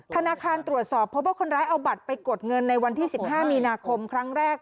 ธนาคารตรวจสอบพบว่าคนร้ายเอาบัตรไปกดเงินในวันที่๑๕มีนาคมครั้งแรก